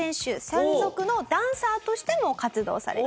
専属のダンサーとしても活動されている。